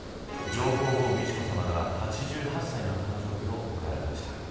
上皇后美智子さまが８８歳の誕生日を迎えられました。